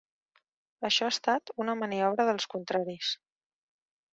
Això ha estat una maniobra dels contraris.